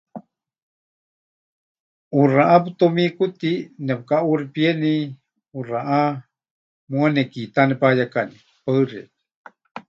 ʼUxaʼá pɨtumíkuti, nepɨkaʼuuxipieni, ʼuxaʼá muuwa nekiitá nepayekaní.